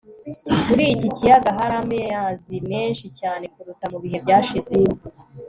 muri iki kiyaga hari amazi menshi cyane kuruta mu bihe byashize